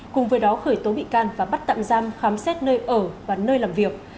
cùng với đó khởi tố bị can và bắt tạm giam khám xét nơi ở và nơi làm việc